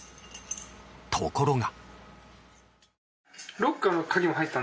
ところが。